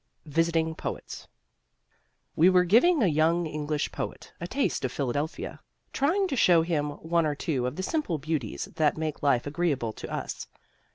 VISITING POETS We were giving a young English poet a taste of Philadelphia, trying to show him one or two of the simple beauties that make life agreeable to us.